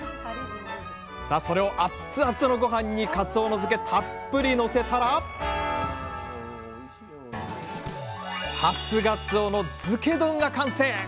さあそれをアッツアツのごはんにかつおの漬けたっぷりのせたら初がつおの漬け丼が完成。